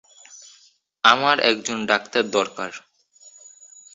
আমার একজন ডক্তার দরকার!